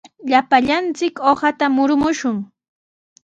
Llapallanchik uqata murumushun.